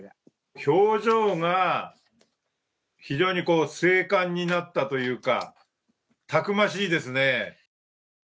表情が非常に精悍になったというか、たくましいですね。